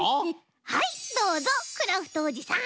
はいどうぞクラフトおじさん！